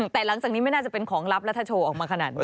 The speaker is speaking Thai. แต่หลังจากนี้ไม่น่าจะเป็นของลับแล้วถ้าโชว์ออกมาขนาดนี้